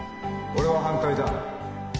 俺は反対だ。